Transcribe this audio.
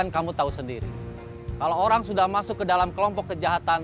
kalau orang sudah masuk ke dalam kelompok kejahatan